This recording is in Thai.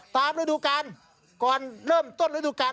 ฤดูกาลก่อนเริ่มต้นฤดูกาล